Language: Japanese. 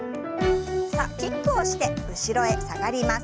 さあキックをして後ろへ下がります。